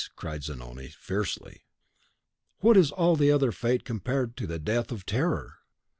cried Zanoni, fiercely. "What is all other fate as compared to the death of terror?